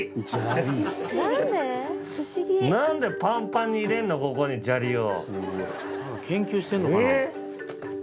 何でパンパンに入れんのここに砂利を。